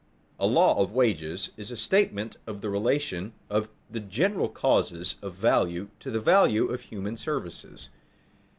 _A law of wages is a statement of the relation of the general causes of value to the value of human services.